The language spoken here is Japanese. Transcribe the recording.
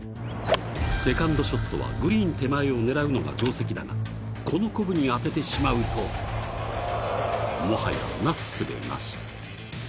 セカンドショットはグリーンを狙うのが定石だｔがこのコブに当ててしまうともはやなすすべなし。